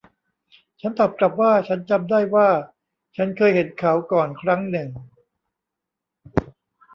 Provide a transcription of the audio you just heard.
ฉันตอบกลับว่าฉันจำได้ว่าฉันเคยเห็นเขาก่อนครั้งหนึ่ง